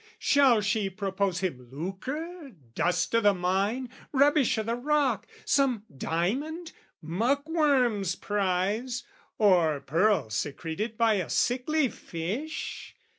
Shall she propose him lucre, dust o' the mine, Rubbish o' the rock, some diamond, muckworms prize, Or pearl secreted by a sickly fish?